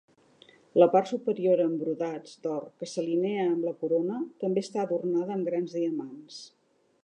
La part superior amb brodats d'or que s'alinea amb la corona també està adornada amb grans diamants.